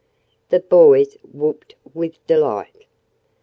The boys whooped with delight.